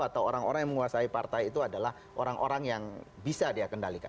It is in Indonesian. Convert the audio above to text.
atau orang orang yang menguasai partai itu adalah orang orang yang bisa dia kendalikan